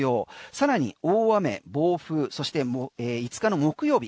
さらに大雨、暴風そしてもう５日の木曜日